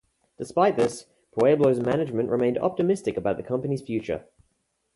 Despite this, Pueblo's management remained optimistic about the company's future.